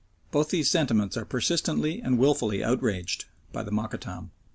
Both these sentiments are persistently and wilfully outraged by the Mokattam.